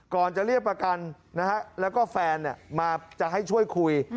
จะเรียกประกันนะฮะแล้วก็แฟนมาจะให้ช่วยคุย